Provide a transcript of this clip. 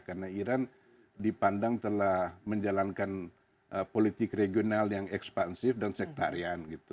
karena iran dipandang telah menjalankan politik regional yang ekspansif dan sektarian gitu